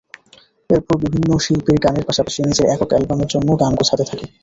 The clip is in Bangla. এরপর বিভিন্ন শিল্পীর গানের পাশাপাশি নিজের একক অ্যালবামের জন্যও গান গোছাতে থাকি।